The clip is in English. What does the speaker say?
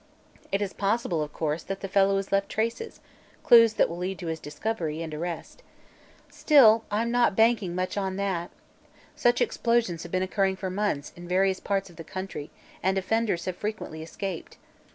It is possible, of course, that the fellow has left traces clues that will lead to his discovery and arrest. Still, I'm not banking much on that. Such explosions have been occurring for months, in various parts of the country, and the offenders have frequently escaped.